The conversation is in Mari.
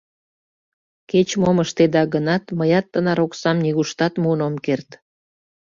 Кеч-мом ыштеда гынат, мыят тынар оксам нигуштат муын ом керт.